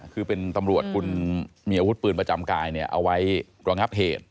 คือเป็นตำรวจคุณมีอาวุธปืนประจำกายเอาไว้รองับเหตุ